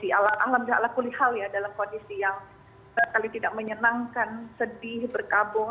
alhamdulillah allah alhamdulillah allah alhamdulillah dalam kondisi yang berkali kali tidak menyenangkan sedih berkabung